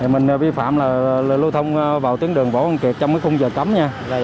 mình vi phạm lưu thông vào tuyến đường võ quang kiệt trong khung giờ cấm